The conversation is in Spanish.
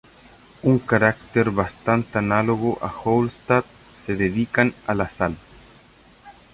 Un carácter bastante análogo a Hallstatt, se dedican a la sal.